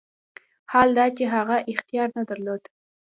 حال دا چې هغه اختیار نه درلود.